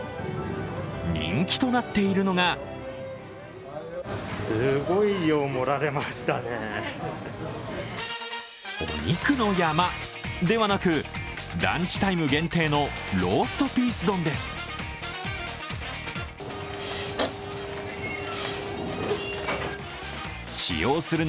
人気となっているのがお肉の山ではなく、ランチタイム限定のローストピース丼です。